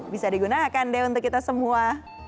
bisa digunakan deh untuk kita semua